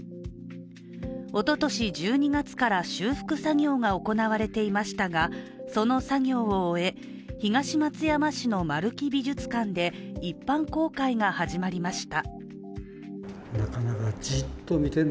おととし１２月から修復作業が行われていましたが、その作業を終え、東松山市の丸木美術館で一般公開が始まりました。